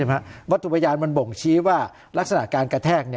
วัตถุพยานมันบ่งชี้ว่ารักษณะการกระแทก